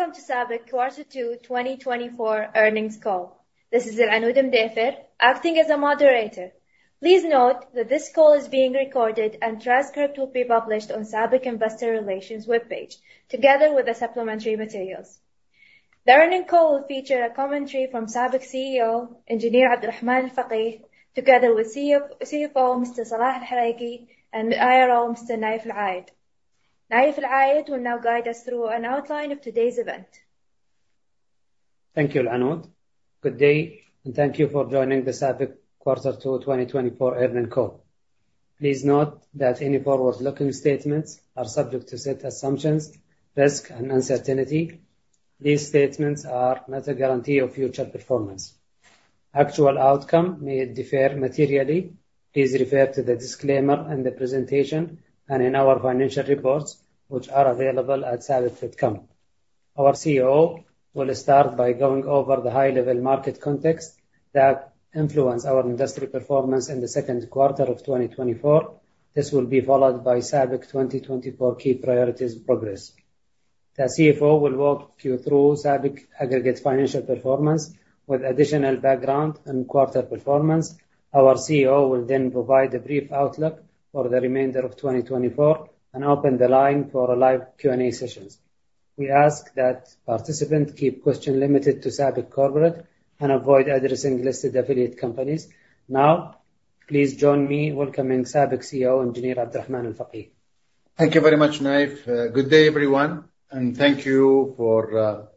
Welcome to SABIC Q2 2024 earnings call. This is Alanoud Al-Modaifer, acting as a moderator. Please note that this call is being recorded, and a transcript will be published on SABIC Investor Relations webpage, together with the supplementary materials. The earnings call will feature a commentary from SABIC CEO, Engineer Abdulrahman Al-Fageeh, together with the CFO, Mr. Salah Al-Hareky, and IRO, Mr. Naif Al-Ayed. Naif Al-Ayed will now guide us through an outline of today's event. Thank you, Alanoud. Good day, and thank you for joining the SABIC Q2 2024 earnings call. Please note that any forward-looking statements are subject to certain assumptions, risk, and uncertainty. These statements are not a guarantee of future performance. Actual outcome may differ materially. Please refer to the disclaimer in the presentation and in our financial reports, which are available at sabic.com. Our CEO will start by going over the high-level market context that influence our industry performance in the second quarter of 2024. This will be followed by SABIC 2024 key priorities progress. The CFO will walk you through SABIC aggregate financial performance with additional background and quarter performance. Our CEO will then provide a brief outlook for the remainder of 2024 and open the line for a live Q&A session. We ask that participants keep questions limited to SABIC corporate and avoid addressing listed affiliate companies. Now, please join me in welcoming SABIC CEO, Engineer Abdulrahman Al-Fageeh. Thank you very much, Naif. Good day, everyone, and thank you for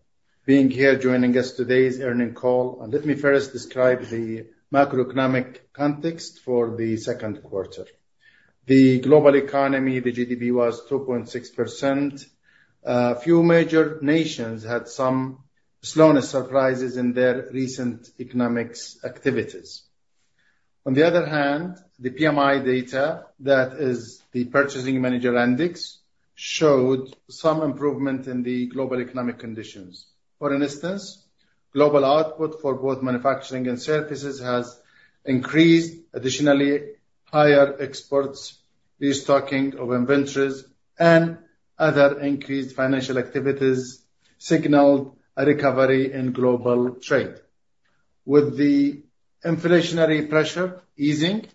being here, joining us today's earnings call. Let me first describe the macroeconomic context for the second quarter. The global economy, the GDP, was 2.6%. A few major nations had some slowness surprises in their recent economic activities. On the other hand, the PMI data, that is the Purchasing Managers' Index, showed some improvement in the global economic conditions. For instance, global output for both manufacturing and services has increased. Additionally, higher exports, restocking of inventories, and other increased financial activities signaled a recovery in global trade. With the inflationary pressure easing,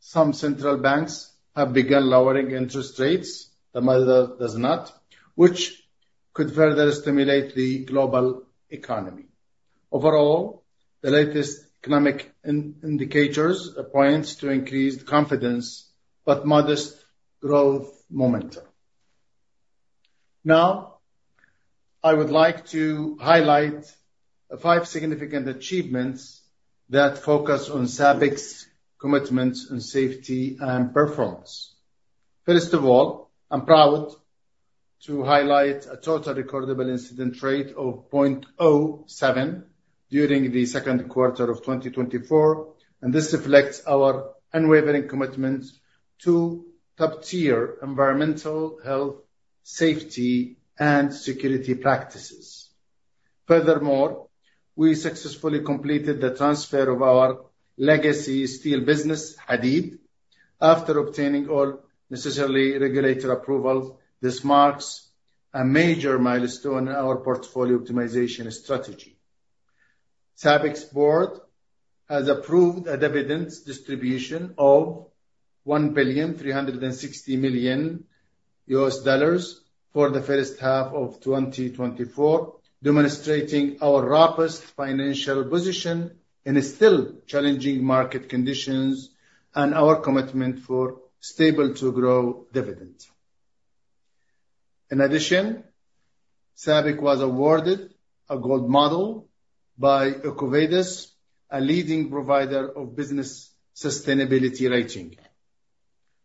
some central banks have begun lowering interest rates. Moreover, this, which could further stimulate the global economy. Overall, the latest economic indicators points to increased confidence but modest growth momentum. Now, I would like to highlight the five significant achievements that focus on SABIC's commitment on safety and performance. First of all, I'm proud to highlight a total recordable incident rate of 0.07 during the second quarter of 2024, and this reflects our unwavering commitment to top-tier environmental, health, safety, and security practices. Furthermore, we successfully completed the transfer of our legacy steel business, Hadeed, after obtaining all necessary regulatory approvals. This marks a major milestone in our portfolio optimization strategy. SABIC's board has approved a dividend distribution of $1.36 billion for the first half of 2024, demonstrating our robust financial position in a still challenging market conditions and our commitment for stable to grow dividends. In addition, SABIC was awarded a gold medal by EcoVadis, a leading provider of business sustainability rating.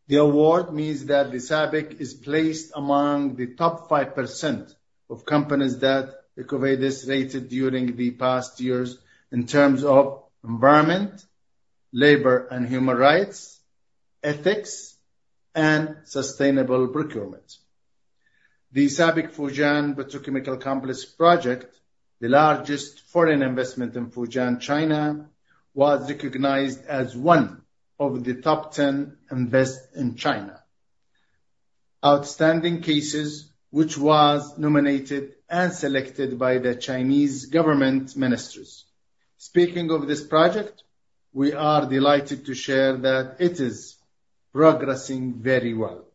The award means that SABIC is placed among the top 5% of companies that EcoVadis rated during the past years in terms of environment, labor and human rights, ethics, and sustainable procurement. The SABIC Fujian Petrochemical Complex project, the largest foreign investment in Fujian, China, was recognized as one of the top 10 Invest in China Outstanding cases, which was nominated and selected by the Chinese government ministries. Speaking of this project, we are delighted to share that it is progressing very well.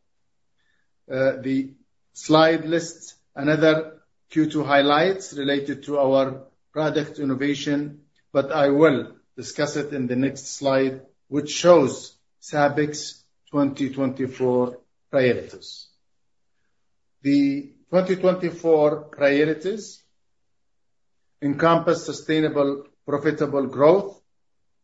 The slide lists another Q2 highlights related to our product innovation, but I will discuss it in the next slide, which shows SABIC's 2024 priorities. The 2024 priorities encompass sustainable, profitable growth,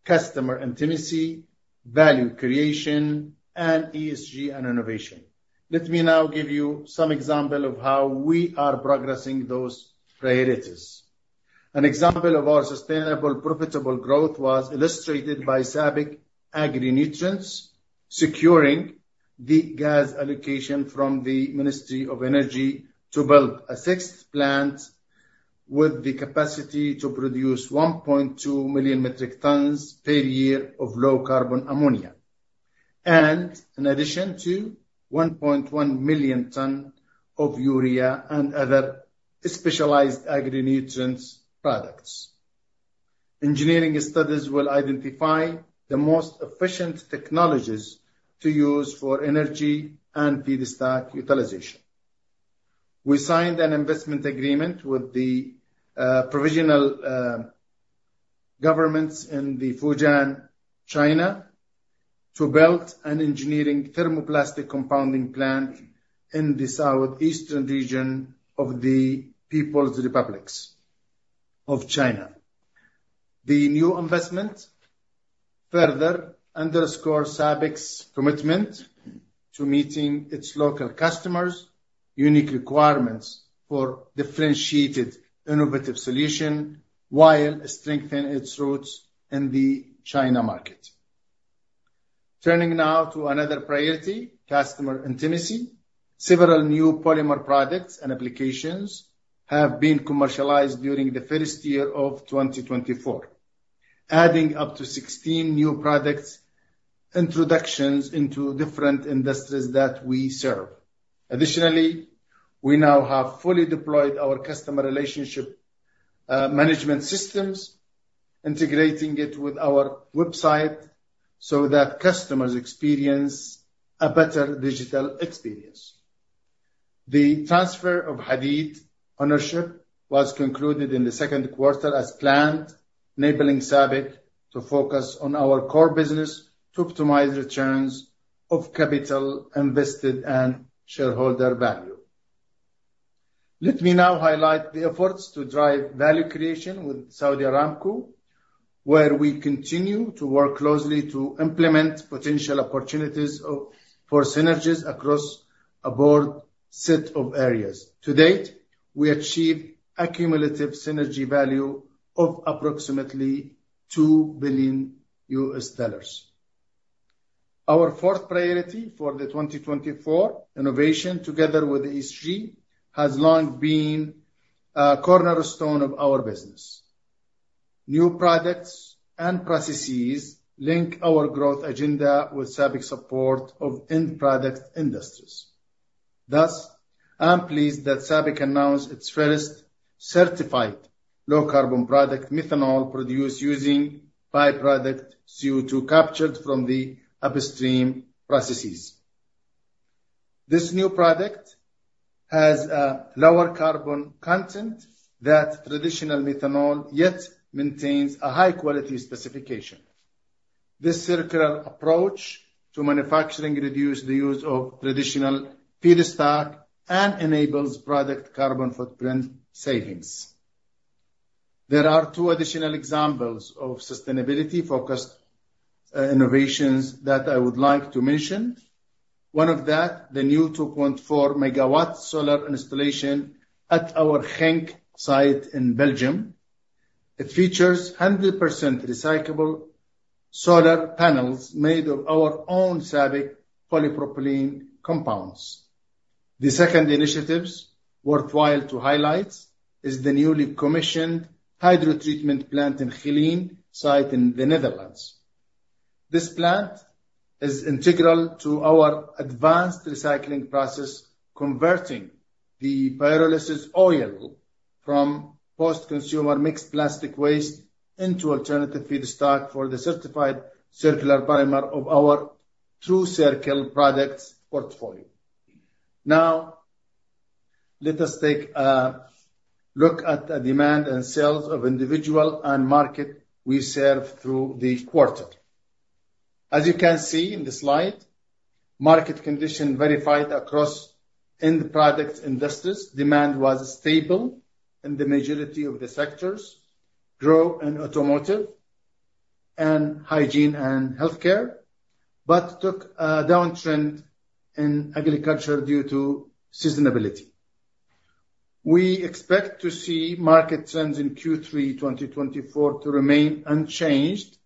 customer intimacy, value creation, and ESG and innovation. Let me now give you some example of how we are progressing those priorities. An example of our sustainable, profitable growth was illustrated by SABIC Agrinutrients, securing the gas allocation from the Ministry of Energy to build a sixth plant with the capacity to produce 1.2 million metric tons per year of low-carbon ammonia, and in addition to 1.1 million tons of urea and other specialized agri-nutrients products. Engineering studies will identify the most efficient technologies to use for energy and feedstock utilization. We signed an investment agreement with the provincial governments in Fujian, China, to build an engineering thermoplastic compounding plant in the southeastern region of the People's Republic of China. The new investment further underscores SABIC's commitment to meeting its local customers' unique requirements for differentiated innovative solutions while strengthening its roots in the China market. Turning now to another priority, customer intimacy. Several new polymer products and applications have been commercialized during the first year of 2024, adding up to 16 new products introductions into different industries that we serve. Additionally, we now have fully deployed our customer relationship management systems, integrating it with our website so that customers experience a better digital experience. The transfer of Hadeed ownership was concluded in the second quarter as planned, enabling SABIC to focus on our core business to optimize returns of capital invested and shareholder value. Let me now highlight the efforts to drive value creation with Saudi Aramco, where we continue to work closely to implement potential opportunities of, for synergies across a broad set of areas. To date, we achieved a cumulative synergy value of approximately $2 billion. Our fourth priority for the 2024 innovation, together with industry, has long been a cornerstone of our business. New products and processes link our growth agenda with SABIC support of end product industries. Thus, I'm pleased that SABIC announced its first certified low carbon product, methanol, produced using byproduct CO₂ captured from the upstream processes. This new product has a lower carbon content than traditional methanol, yet maintains a high quality specification. This circular approach to manufacturing reduce the use of traditional feedstock and enables product carbon footprint savings. There are two additional examples of sustainability-focused innovations that I would like to mention. One of that, the new 2.4 MW solar installation at our Genk site in Belgium. It features 100% recyclable solar panels made of our own SABIC polypropylene compounds. The second initiatives worthwhile to highlight is the newly commissioned hydrotreatment plant in Geleen site in the Netherlands. This plant is integral to our advanced recycling process, converting the pyrolysis oil from post-consumer mixed plastic waste into alternative feedstock for the certified circular polymer of our TRUCIRCLE products portfolio. Now, let us take a look at the demand and sales of individual and market we serve through the quarter. As you can see in the slide, market conditions varied across end product industries. Demand was stable in the majority of the sectors, grew in automotive and hygiene and healthcare, but took a downtrend in agriculture due to seasonality. We expect to see market trends in Q3 2024 to remain unchanged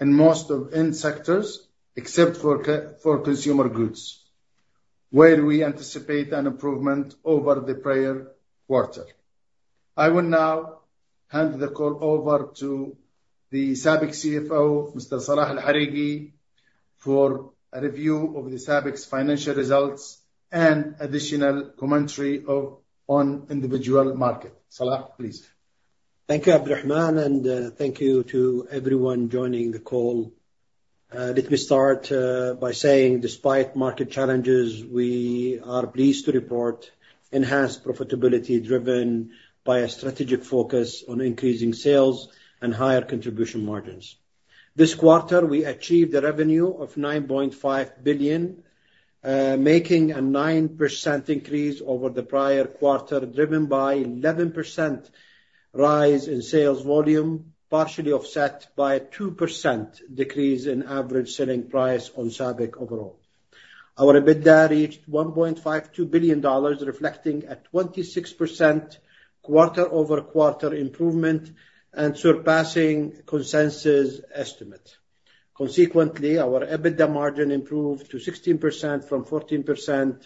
in most of end sectors, except for for consumer goods, where we anticipate an improvement over the prior quarter. I will now hand the call over to the SABIC CFO, Mr. Salah Al-Hareky, for a review of SABIC's financial results and additional commentary on individual market. Salah, please. Thank you, Abdulrahman, and thank you to everyone joining the call. Let me start by saying, despite market challenges, we are pleased to report enhanced profitability, driven by a strategic focus on increasing sales and higher contribution margins. This quarter, we achieved a revenue of $9.5 billion, making a 9% increase over the prior quarter, driven by 11% rise in sales volume, partially offset by a 2% decrease in average selling price on SABIC overall. Our EBITDA reached $1.52 billion, reflecting a 26% quarter-over-quarter improvement and surpassing consensus estimate. Consequently, our EBITDA margin improved to 16% from 14%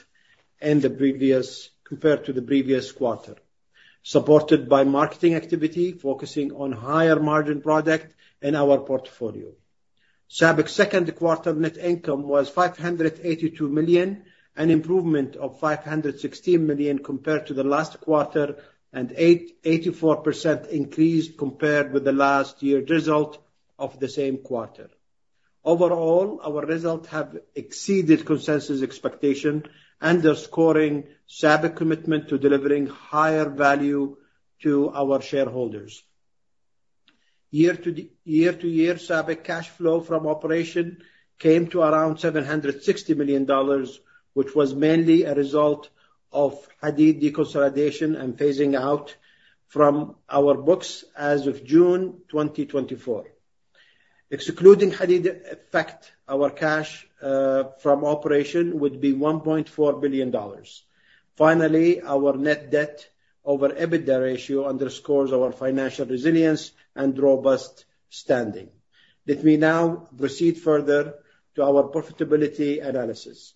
in the previous compared to the previous quarter, supported by marketing activity, focusing on higher margin product in our portfolio. SABIC second quarter net income was $582 million, an improvement of $516 million compared to the last quarter, and 84% increase compared with the last year result of the same quarter. Overall, our results have exceeded consensus expectation, underscoring SABIC commitment to delivering higher value to our shareholders. Year-to-year, SABIC cash flow from operation came to around $760 million, which was mainly a result of Hadeed deconsolidation and phasing out from our books as of June 2024. Excluding Hadeed effect, our cash from operation would be $1.4 billion. Finally, our net debt over EBITDA ratio underscores our financial resilience and robust standing. Let me now proceed further to our profitability analysis.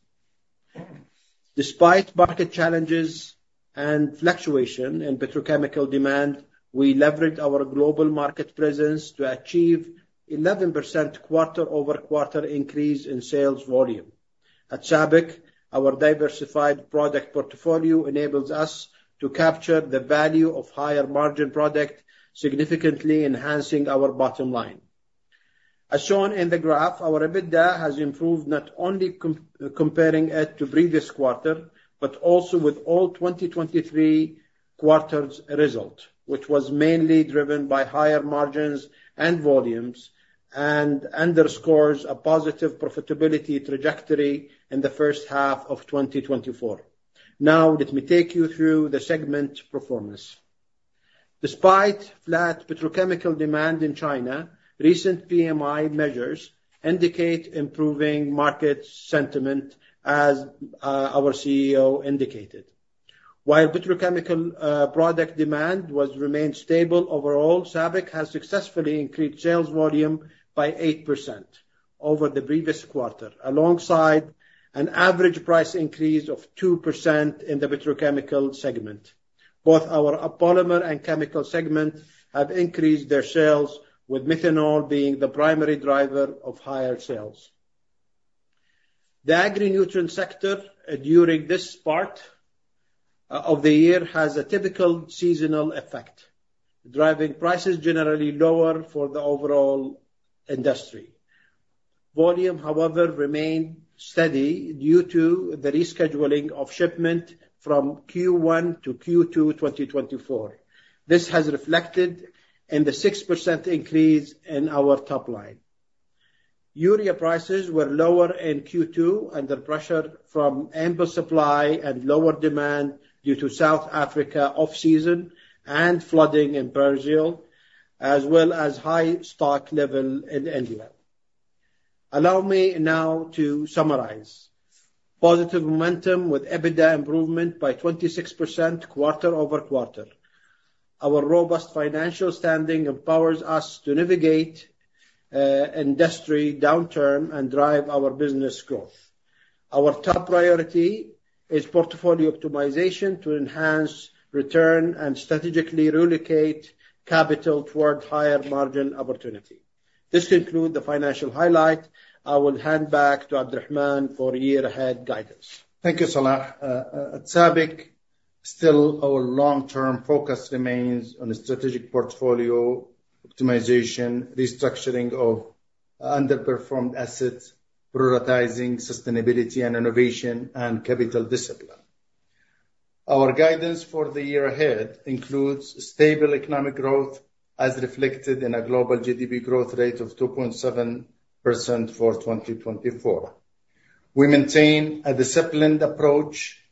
Despite market challenges and fluctuation in petrochemical demand, we leveraged our global market presence to achieve 11% quarter-over-quarter increase in sales volume. At SABIC, our diversified product portfolio enables us to capture the value of higher margin product, significantly enhancing our bottom line. As shown in the graph, our EBITDA has improved, not only comparing it to previous quarter, but also with all 2023 quarters result, which was mainly driven by higher margins and volumes, and underscores a positive profitability trajectory in the first half of 2024. Now, let me take you through the segment performance. Despite flat petrochemical demand in China, recent PMI measures indicate improving market sentiment, as our CEO indicated. While petrochemical product demand was remained stable overall, SABIC has successfully increased sales volume by 8% over the previous quarter, alongside an average price increase of 2% in the petrochemical segment. Both our polymer and chemical segment have increased their sales, with methanol being the primary driver of higher sales. The agri-nutrient sector, during this part of the year, has a typical seasonal effect, driving prices generally lower for the overall industry. Volume, however, remained steady due to the rescheduling of shipment from Q1 to Q2 2024. This has reflected in the 6% increase in our top line. Urea prices were lower in Q2, under pressure from ample supply and lower demand due to South Africa off-season and flooding in Brazil, as well as high stock level in India. Allow me now to summarize. Positive momentum with EBITDA improvement by 26% quarter-over-quarter. Our robust financial standing empowers us to navigate industry downturn and drive our business growth. Our top priority is portfolio optimization to enhance return and strategically relocate capital towards higher margin opportunity. This conclude the financial highlight. I will hand back to Abdulrahman for year ahead guidance. Thank you, Salah. At SABIC, still our long-term focus remains on a strategic portfolio optimization, restructuring of underperformed assets, prioritizing sustainability and innovation, and capital discipline. Our guidance for the year ahead includes stable economic growth, as reflected in a global GDP growth rate of 2.7% for 2024. We maintain a disciplined approach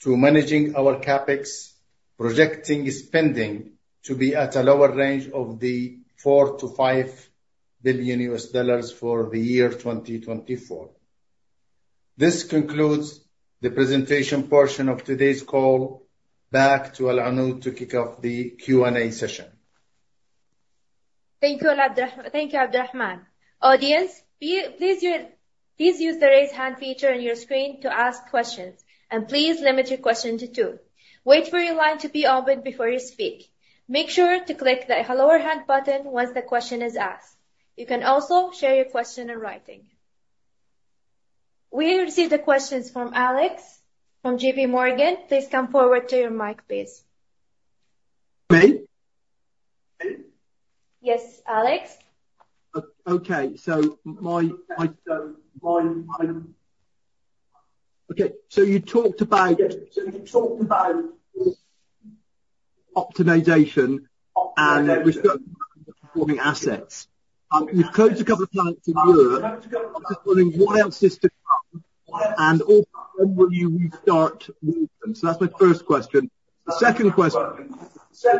to managing our CapEx, projecting spending to be at a lower range of the $4 billion-$5 billion for the year 2024. This concludes the presentation portion of today's call. Back to Alanoud to kick off the Q&A session. Thank you, Abdulrahman. Audience, please use the Raise Hand feature on your screen to ask questions, and please limit your questions to two. Wait for your line to be opened before you speak. Make sure to click the Lower Hand button once the question is asked. You can also share your question in writing. We receive the questions from Alex from JPMorgan. Please come forward to your mic, please. Me? Yes, Alex. Okay, so you talked about optimization and restructuring performing assets. You've closed a couple of plants in Europe. I'm just wondering what else is to come, and also when will you restart with them? So that's my first question. Second question-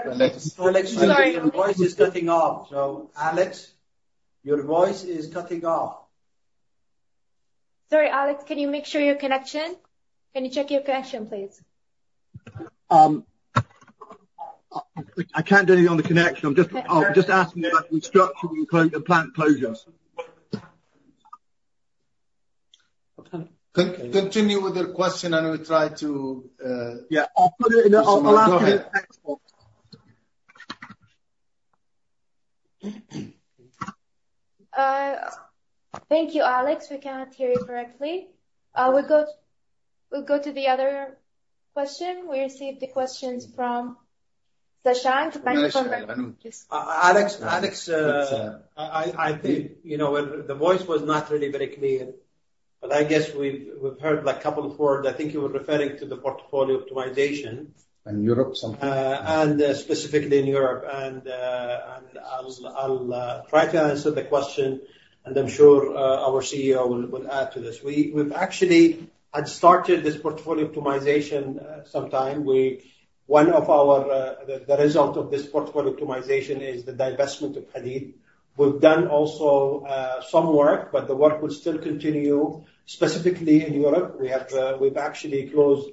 Alex, your voice is cutting off. Alex, your voice is cutting off. Sorry, Alex, can you make sure your connection- can you check your connection, please? I can't do anything on the connection. I'm just- Okay. I was just asking about restructuring and plant closures. Continue with your question, and we try to, yeah- I'll put it in the- Go ahead. Thank you, Alex. We cannot hear you correctly. We'll go to the other question. We receive the questions from Shashank, Bank of America. Alex, I think, you know, when the voice was not really very clear, but I guess we've heard a couple of words. I think you were referring to the portfolio optimization. In Europe, something. And specifically in Europe, and I'll try to answer the question, and I'm sure our CEO will add to this. We've actually had started this portfolio optimization sometime. One of our, the result of this portfolio optimization is the divestment of Hadeed. We've done also some work, but the work will still continue, specifically in Europe. We have, we've actually closed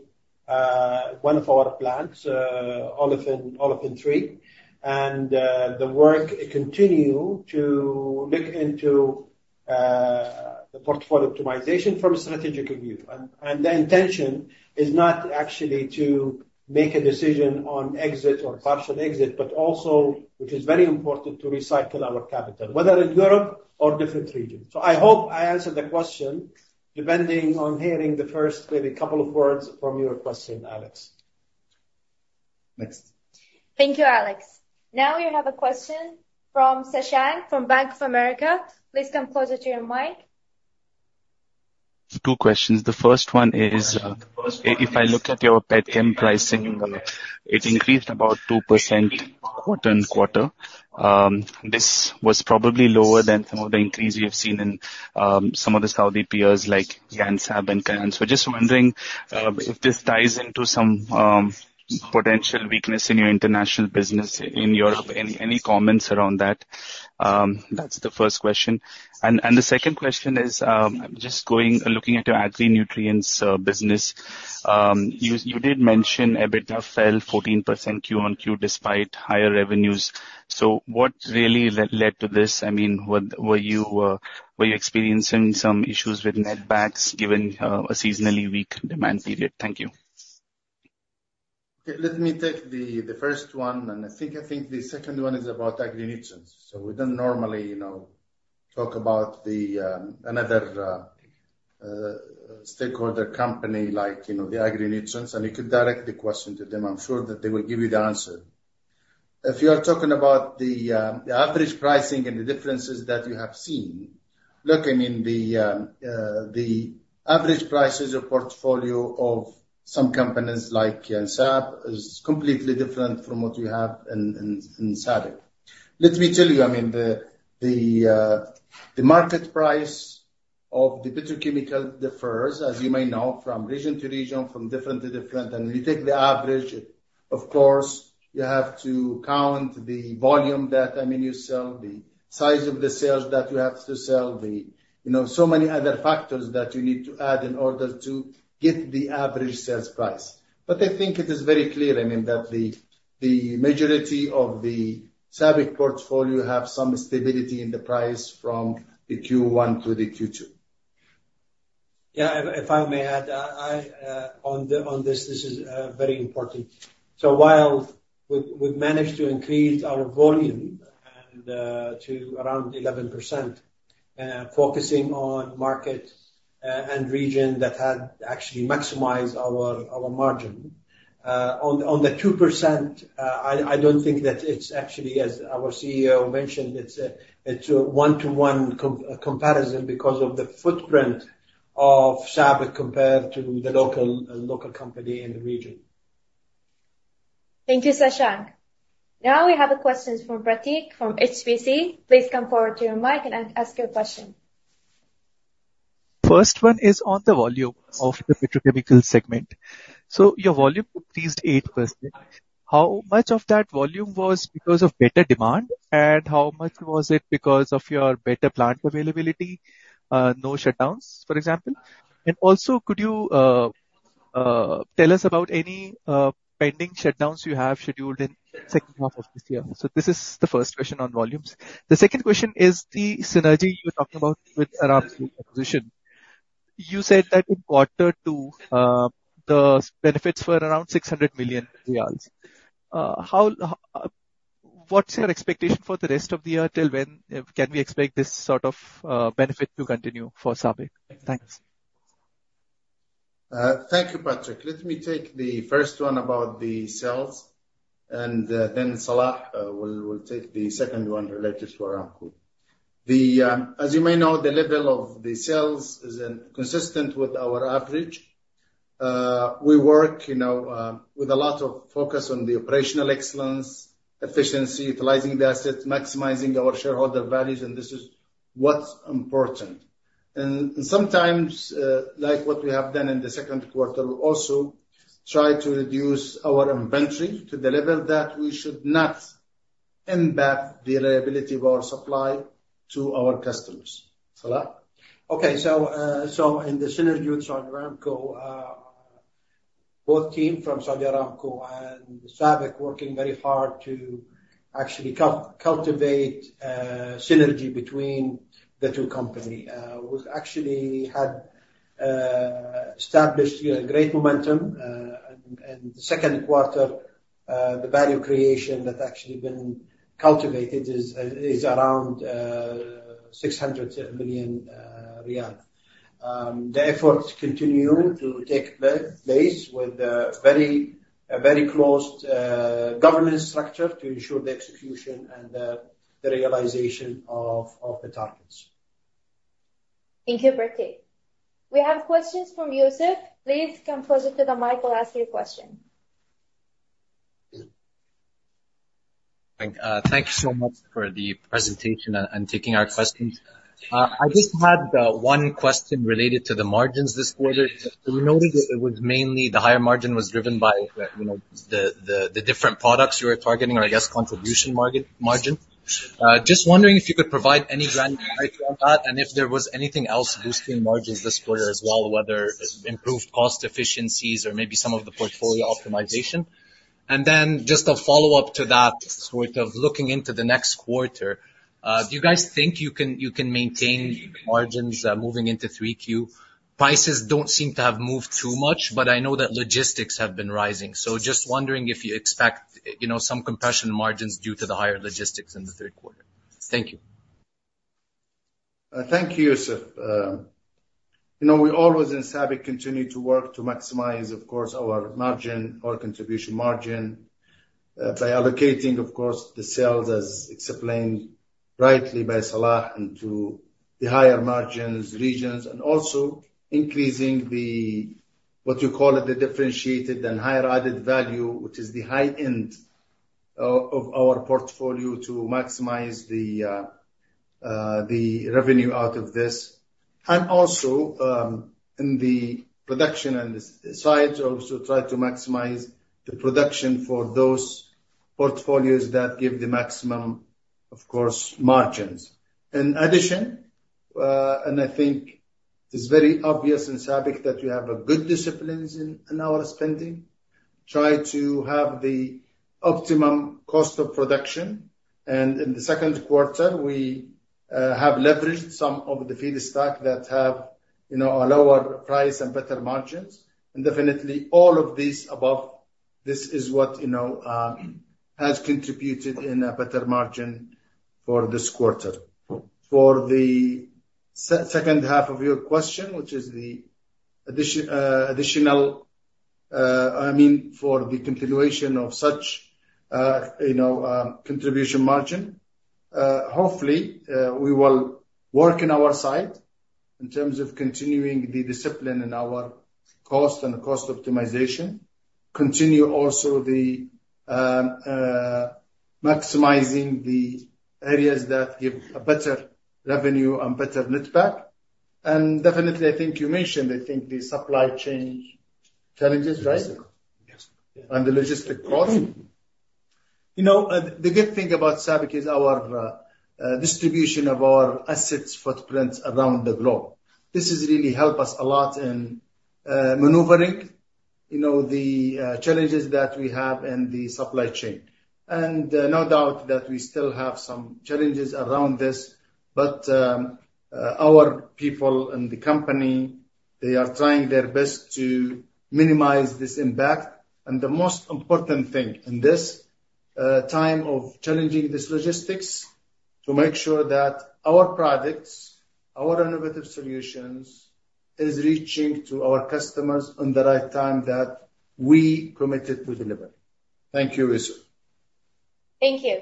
one of our plants, Olefin 3. And the work continue to look into the portfolio optimization from a strategic review. And the intention is not actually to make a decision on exit or partial exit, but also, which is very important, to recycle our capital, whether in Europe or different regions. I hope I answered the question, depending on hearing the first maybe couple of words from your question, Alex. Next. Thank you, Alex. Now we have a question from Shashank, from Bank of America. Please come closer to your mic. Two questions. The first one is, if I look at your pet chem pricing, it increased about 2% quarter-on-quarter. This was probably lower than some of the increase we have seen in some of the Saudi peers like Yansab and. So just wondering, if this ties into some potential weakness in your international business in Europe. Any comments around that? That's the first question. And the second question is, just looking at your agri-nutrients business. You did mention EBITDA fell 14% Q-on-Q, despite higher revenues. So what really led to this? I mean, were you experiencing some issues with netbacks, given a seasonally weak demand period? Thank you. Okay, let me take the first one, and I think the second one is about agri-nutrients. So we don't normally, you know, talk about another stakeholder company like, you know, the agri-nutrients, and you could direct the question to them. I'm sure that they will give you the answer. If you are talking about the average pricing and the differences that you have seen, looking in the average prices or portfolio of some companies like Yanbu, is completely different from what we have in SABIC. Let me tell you, I mean, the market price of the petrochemical differs, as you may know, from region to region, from different to different. You take the average, of course. You have to count the volume that, I mean, you sell, the size of the sales that you have to sell, the- you know, so many other factors that you need to add in order to get the average sales price. But I think it is very clear, I mean, that the, the majority of the SABIC portfolio have some stability in the price from the Q1 to the Q2. Yeah, if I may add, on this, this is very important. So while we've managed to increase our volume to around 11%, focusing on market and region that had actually maximized our margin. On the 2%, I don't think that it's actually, as our CEO mentioned, it's a one-to-one comparison because of the footprint of SABIC compared to the local company in the region. Thank you, Shashank. Now we have a question from Pratik, from HSBC. Please come forward to your mic and ask your question. First one is on the volume of the petrochemical segment. So your volume increased 8%. How much of that volume was because of better demand, and how much was it because of your better plant availability? No shutdowns, for example. And also, could you tell us about any pending shutdowns you have scheduled in second half of this year? So this is the first question on volumes. The second question is the synergy you were talking about with Aramco position. You said that in quarter two, the benefits were around 600 million riyals. How, what's your expectation for the rest of the year? Till when can we expect this sort of benefit to continue for SABIC? Thanks. Thank you, Pratik. Let me take the first one about the sales, and then Salah will take the second one related to Aramco. As you may know, the level of the sales is consistent with our average. We work, you know, with a lot of focus on the operational excellence, efficiency, utilizing the assets, maximizing our shareholder value, and this is what's important. And sometimes, like what we have done in the second quarter, we also try to reduce our inventory to the level that we should not impact the reliability of our supply to our customers. Salah? Okay, so in the synergies on Aramco, both team from Saudi Aramco and SABIC working very hard to actually cultivate synergy between the two company. We've actually had established, you know, great momentum. And the second quarter, the value creation that actually been cultivated is around SAR 600 million. The efforts continue to take place with a very close governance structure to ensure the execution and the realization of the targets. Thank you, Pratik. We have questions from Yousef. Please come closer to the mic while asking your question. Thank you so much for the presentation and taking our questions. I just had one question related to the margins this quarter. We noted it was mainly the higher margin was driven by the, you know, the different products you were targeting, or I guess, contribution margin, margin. Just wondering if you could provide any guidance on that, and if there was anything else boosting margins this quarter as well, whether improved cost efficiencies or maybe some of the portfolio optimization? And then just a follow-up to that, sort of looking into the next quarter, do you guys think you can maintain margins moving into 3Q? Prices don't seem to have moved too much, but I know that logistics have been rising. Just wondering if you expect, you know, some compression margins due to the higher logistics in the third quarter? Thank you. Thank you, Yousef. You know, we always in SABIC continue to work to maximize, of course, our margin, our contribution margin, by allocating, of course, the sales as explained rightly by Salah, into the higher margins, regions, and also increasing the, what you call it, the differentiated and higher added value, which is the high end of our portfolio, to maximize the revenue out of this. Also, in the production and the side, also try to maximize the production for those portfolios that give the maximum, of course, margins. In addition, I think it's very obvious in SABIC that we have a good discipline in our spending, try to have the optimum cost of production. And in the second quarter, we have leveraged some of the feedstock that have, you know, a lower price and better margins. And definitely all of this above, this is what, you know, has contributed in a better margin for this quarter. For the second half of your question, which is the addition, additional I mean, for the continuation of such, you know, contribution margin, hopefully, we will work in our side in terms of continuing the discipline in our cost and cost optimization, continue also the maximizing the areas that give a better revenue and better netback. And definitely, I think you mentioned, I think, the supply chain challenges, right? Yes. The logistics cost. You know, the good thing about SABIC is our distribution of our assets footprints around the globe. This has really helped us a lot in maneuvering, you know, the challenges that we have in the supply chain. And no doubt that we still have some challenges around this, but our people in the company, they are trying their best to minimize this impact. And the most important thing in this time of challenging this logistics, to make sure that our products, our innovative solutions, is reaching to our customers on the right time that we committed to deliver. Thank you, Yousef. Thank you.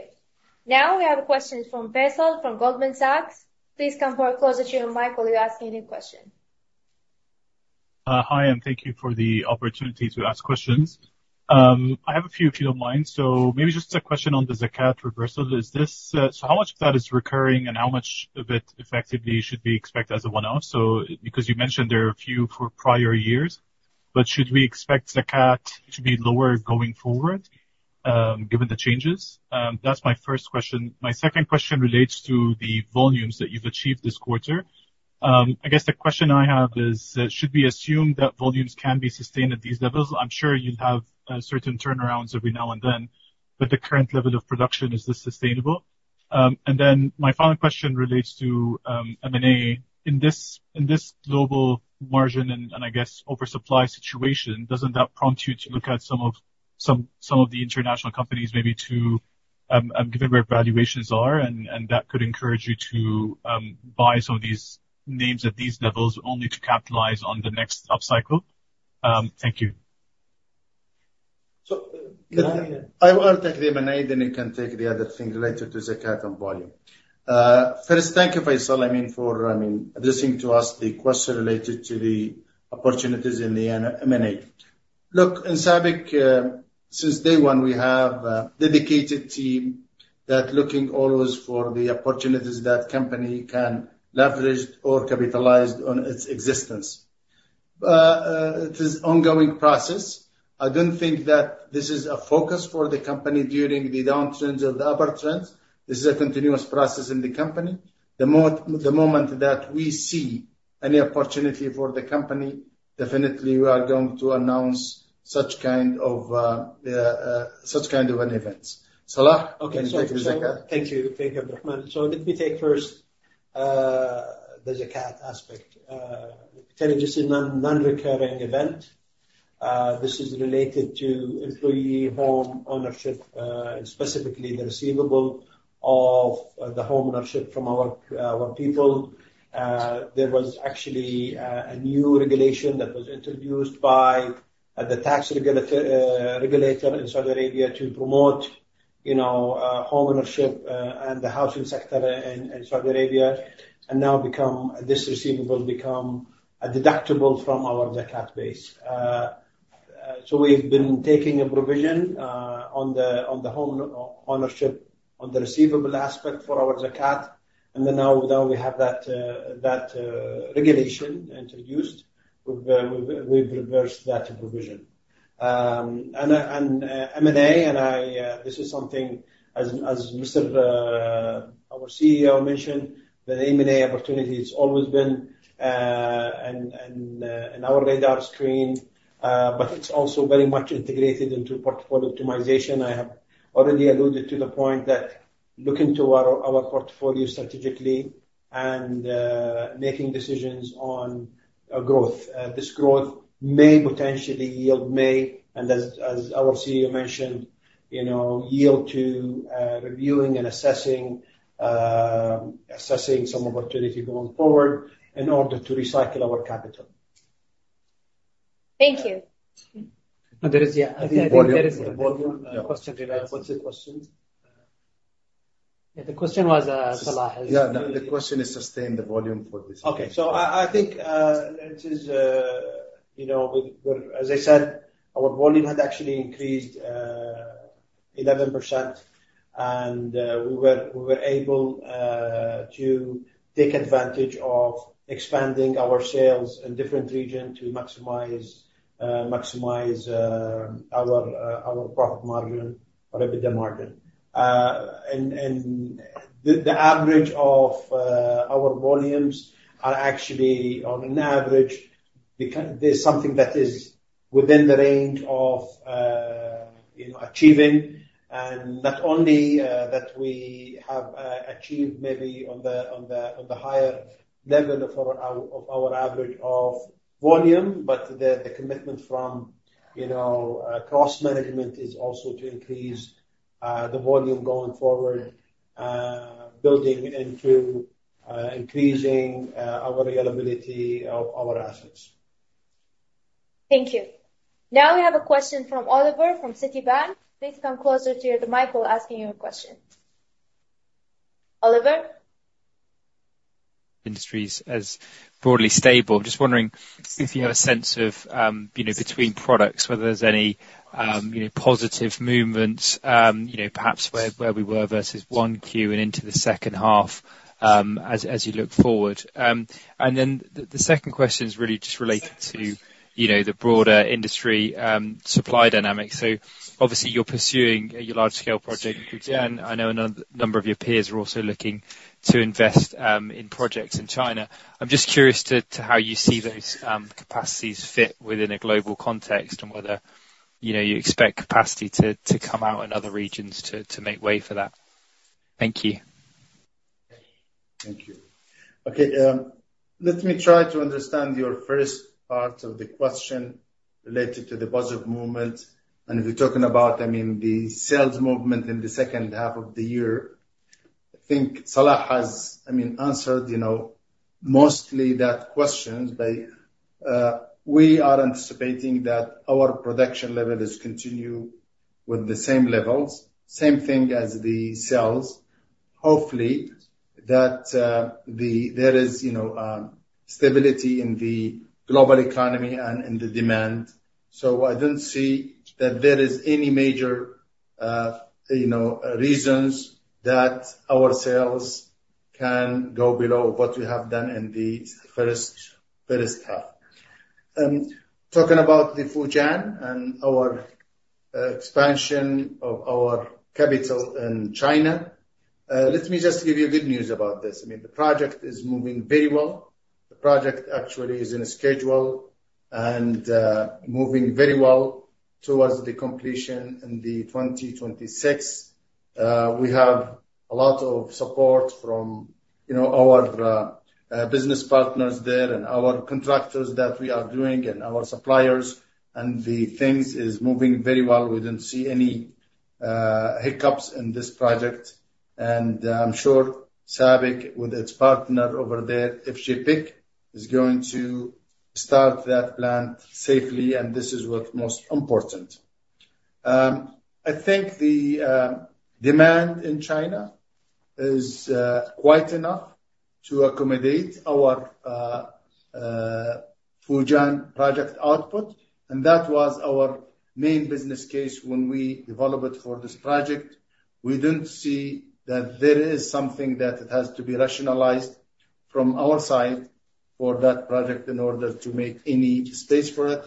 Now we have a question from Faisal from Goldman Sachs. Please come closer to the mic while you're asking your question. Hi, and thank you for the opportunity to ask questions. I have a few, if you don't mind. So maybe just a question on the Zakat reversal. Is this- so how much of that is recurring, and how much of it effectively should we expect as a one-off? So because you mentioned there are a few for prior years, but should we expect Zakat to be lower going forward, given the changes? That's my first question. My second question relates to the volumes that you've achieved this quarter. I guess the question I have is, should we assume that volumes can be sustained at these levels? I'm sure you'd have certain turnarounds every now and then, but the current level of production, is this sustainable? And then my final question relates to, M&A. In this global margin and oversupply situation, doesn't that prompt you to look at some of the international companies, maybe given where valuations are, and that could encourage you to buy some of these names at these levels only to capitalize on the next upcycle? Thank you. So I will take the M&A, then you can take the other thing related to Zakat and volume. First, thank you, Faisal, I mean, for, I mean, addressing to us the question related to the opportunities in the M&A. Look, in SABIC, since day one, we have a dedicated team that looking always for the opportunities that company can leverage or capitalize on its existence. It is ongoing process. I don't think that this is a focus for the company during the downturns or the upturns. This is a continuous process in the company. The moment that we see any opportunity for the company, definitely we are going to announce such kind of such kind of an events. Salah? Okay, thank you. Thank you, Abdulrahman. So let me take first the Zakat aspect. Kind of this is non-recurring event. This is related to employee home ownership, specifically the receivable of the home ownership from our people. There was actually a new regulation that was introduced by the tax regulator in Saudi Arabia to promote, you know, home ownership and the housing sector in Saudi Arabia, and now become this receivable become a deductible from our Zakat base. So we've been taking a provision on the home ownership, on the receivable aspect for our Zakat, and then now we have that regulation introduced, we've reversed that provision. And M&A, and I, this is something as our CEO mentioned, that M&A opportunity has always been in our radar screen, but it's also very much integrated into portfolio optimization. I have already alluded to the point that looking to our portfolio strategically and making decisions on growth. This growth may potentially yield, and as our CEO mentioned, you know, yield to reviewing and assessing some opportunity going forward in order to recycle our capital. Thank you. There is, yeah, I think there is a volume question. What's the question? Yeah, the question was, Salah is- Yeah, the question is sustain the volume for this. Okay. So I think it is, you know, we're- as I said, our volume has actually increased 11%, and we were able to take advantage of expanding our sales in different region to maximize our profit margin or EBITDA margin. And the average of our volumes are actually on an average, there's something that is within the range of, you know, achieving, and not only that we have achieved maybe on the higher level of our average of volume, but the commitment from, you know, cost management is also to increase the volume going forward, building into increasing our reliability of our assets. Thank you. Now we have a question from Oliver, from Citibank. Please come closer to the microphone asking your question. Oliver? Industries as broadly stable. Just wondering if you have a sense of, you know, between products, whether there's any, you know, positive movements, you know, perhaps where, where we were versus 1Q and into the second half, as you look forward. And then the second question is really just related to, you know, the broader industry, supply dynamics. So obviously, you're pursuing your large-scale project, and I know a number of your peers are also looking to invest, in projects in China. I'm just curious to, to how you see those capacities fit within a global context and whether, you know, you expect capacity to, to come out in other regions to, to make way for that. Thank you. Thank you. Okay, let me try to understand your first part of the question related to the positive movement. If you're talking about, I mean, the sales movement in the second half of the year, I think Salah has, I mean, answered, you know, mostly that question. But we are anticipating that our production level is continue with the same levels, same thing as the sales. Hopefully, that There is, you know, stability in the global economy and in the demand. So I don't see that there is any major, you know, reasons that our sales can go below what we have done in the first, first half. Talking about the Fujian and our expansion of our capital in China, let me just give you good news about this. I mean, the project is moving very well. The project actually is in schedule and, moving very well towards the completion in 2026. We have a lot of support from, you know, our, business partners there and our contractors that we are doing and our suppliers, and the things is moving very well. We didn't see any, hiccups in this project, and I'm sure SABIC, with its partner over there, FPIC, is going to start that plant safely, and this is what most important. I think the, demand in China is, quite enough to accommodate our, Fujian project output, and that was our main business case when we developed for this project. We don't see that there is something that it has to be rationalized from our side for that project in order to make any space for it.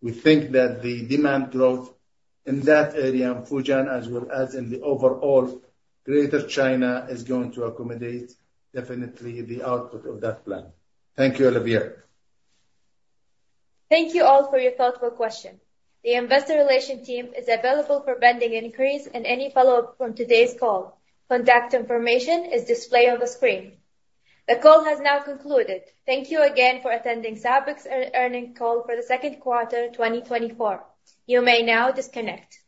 We think that the demand growth in that area, in Fujian, as well as in the overall Greater China, is going to accommodate definitely the output of that plan. Thank you, Oliver. Thank you all for your thoughtful questions. The investor relation team is available for pending inquiries and any follow-up from today's call. Contact information is displayed on the screen. The call has now concluded. Thank you again for attending SABIC's earnings call for the second quarter of 2024. You may now disconnect.